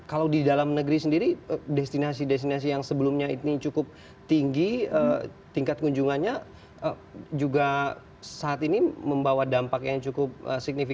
kalau di dalam negeri sendiri destinasi destinasi yang sebelumnya ini cukup tinggi tingkat kunjungannya juga saat ini membawa dampak yang cukup signifikan